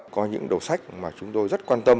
có những đầu sách mà chúng tôi đã tìm ra rất là quan trọng